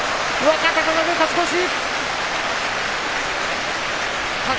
若隆景、勝ち越し。